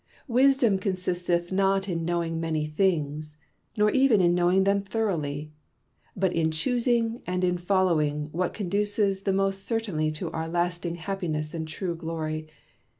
Wisdom consisteth not in knowing many things, nor even in know ing them thoroughly ; but in choosing and in following what conduces the most certainly to our lasting happiness and true glory.